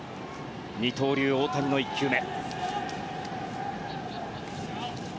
二刀流・大谷の１球目。